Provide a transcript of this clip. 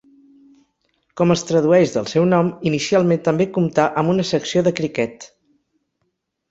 Com es tradueix del seu nom, inicialment també comptà amb una secció de criquet.